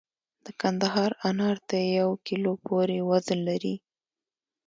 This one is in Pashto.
د کندهار انار تر یو کیلو پورې وزن لري.